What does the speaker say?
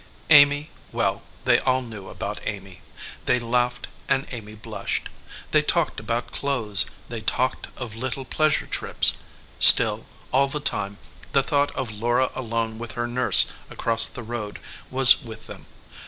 Amy well, they all knew about Amy. They laughed and Amy blushed. They talked about clothes, they talked of little pleasure trips. Still, all the time, the thought of Laura alone with her nurse across the road was with them.